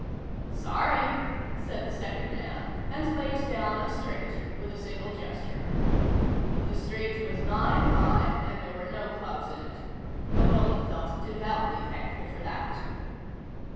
"Sorry," said the second man, and laid down a straight with a single gesture. The straight was nine high and there were no clubs in it. Malone felt devoutly thankful for that.